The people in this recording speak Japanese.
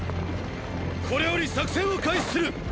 これより作戦を開始する！！